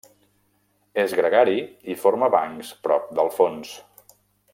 És gregari i forma bancs prop del fons.